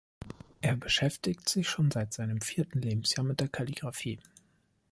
Er beschäftigt sich schon seit seinem vierten Lebensjahr mit der Kalligraphie.